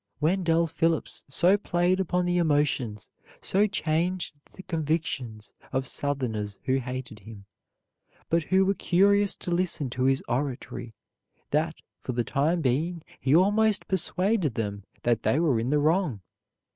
Wendell Phillips so played upon the emotions, so changed the convictions of Southerners who hated him, but who were curious to listen to his oratory, that, for the time being he almost persuaded them that they were in the wrong.